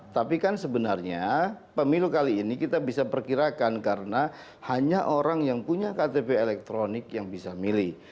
tapi kan sebenarnya pemilu kali ini kita bisa perkirakan karena hanya orang yang punya ktp elektronik yang bisa milih